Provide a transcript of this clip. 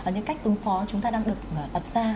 những cách ứng phó chúng ta đang được đặt ra